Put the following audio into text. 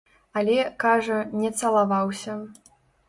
Але, кажа, не цалаваўся.